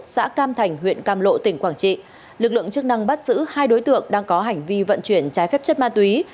xã cam thành huyện cam lộ tỉnh quảng trị lực lượng chức năng bắt giữ hai đối tượng đang có hành vi vận chuyển trái phép chất ma túy